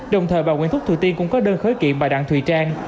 đồng thời bà nguyễn thúc thùy tiên cũng có đơn khới kiện bà đặng thùy trang